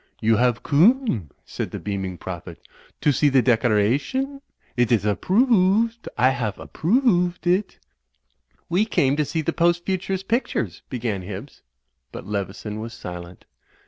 'Tfou have coome," said the beaming Prophet, "to see the decoration? It is approo ooved. I haf ap proo ooved it." "We came to see the Post Futurist pictures," began Hibbs; but Leveson was silent.